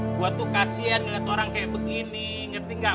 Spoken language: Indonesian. gue tuh kasian ngeliat orang kayak begini ngerti gak